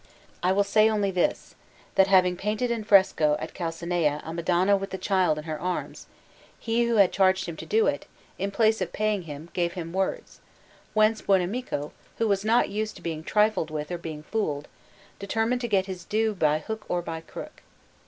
I will say only this, that having painted in fresco at Calcinaia a Madonna with the Child in her arms, he who had charged him to do it, in place of paying him, gave him words; whence Buonamico, who was not used to being trifled with or being fooled, determined to get his due by hook or by crook.